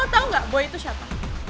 lo tau gak boy itu siapa